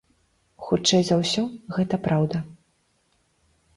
Хутчэй за ўсё, гэта праўда.